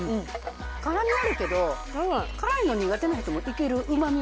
辛みあるけど辛いの苦手な人もいけるうまみもない？